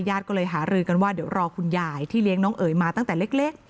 ก็เลยหารือกันว่าเดี๋ยวรอคุณยายที่เลี้ยงน้องเอ๋ยมาตั้งแต่เล็ก